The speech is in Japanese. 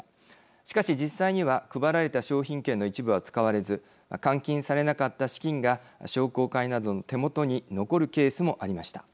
しかし実際には配られた商品券の一部は使われず換金されなかった資金が商工会などの手元に残るケースもありました。